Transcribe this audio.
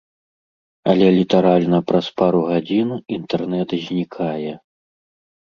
Але літаральна праз пару гадзін інтэрнэт знікае.